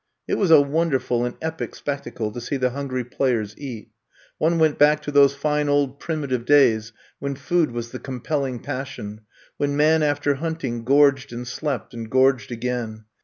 It was a wonderful and epic spectacle to see the hungry players eat. One went back to those fine old primitive days when food was the compelling passion, when man, after hunting, gorged and slept, and gorged again.